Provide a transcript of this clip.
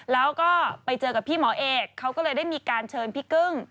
แล้วก็ไปเจอกับพี่หมอเอกเขาก็เลยได้มีการเชิญพี่กึ้ง